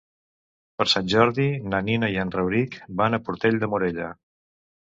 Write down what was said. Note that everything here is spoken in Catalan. Per Sant Jordi na Nina i en Rauric van a Portell de Morella.